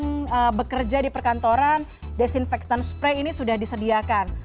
kalau mungkin anda ini yang bekerja di perkantoran desinfektan spray ini sudah disediakan